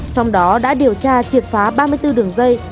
trong đó đã điều tra triệt phá ba mươi bốn đường dây